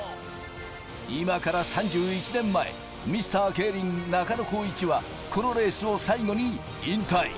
今から３１年前、ミスター競輪・中野浩一はこのレースを最後に引退。